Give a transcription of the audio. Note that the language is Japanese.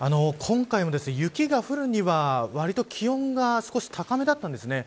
今回も雪が降るにはわりと気温が少し高めだったんです。